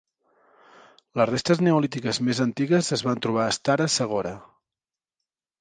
Les restes neolítiques més antigues es van trobar a Stara Zagora.